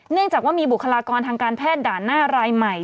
เนื่องจากว่ามีบุคลากรทางการแพทย์ด่านหน้ารายใหม่